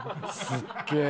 すっげえ。